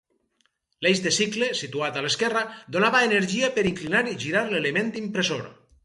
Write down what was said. L'Eix de Cicle, situat a l'esquerra, donava energia per inclinar i girar l'element impressor.